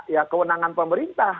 ya kewenangan pemerintah